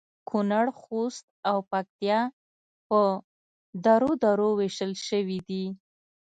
کونړ ، خوست او پکتیا په درو درو ویشل شوي دي